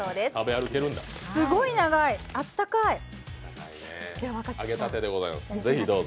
すごい長い、あったかい。